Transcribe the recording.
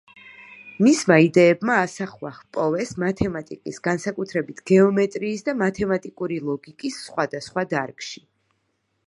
მისმა იდეებმა ასახვა ჰპოვეს მათემატიკის, განსაკუთრებით გეომეტრიის და მათემატიკური ლოგიკის სხვადასხვა დარგში.